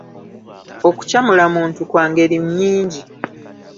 Okukyamula muntu kwa ngeri nnyingi.